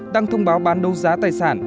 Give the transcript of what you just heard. đang thông báo bán đấu giá tài sản